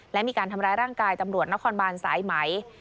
และมีการทำร้ายร่างกายตำรวจนครบานสายไหม